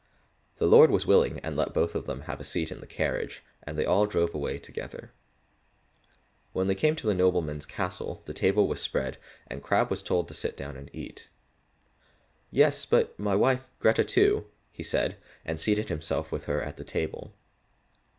The lord was willing and let both of them have a seat in the carriage, and they all drove away together. When they came to the nobleman's castle, the table was spread, and Crabb was told to sit down and eat. "Yes, but my wife, Grethe, too," said he, and he seated himself with her at the table.